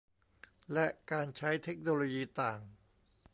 และการใช้เทคโนโลยีต่าง